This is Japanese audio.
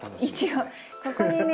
ここにね